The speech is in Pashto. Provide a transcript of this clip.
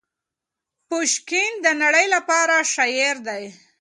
پوشکین د نړۍ لپاره شاعر دی.